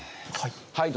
はい。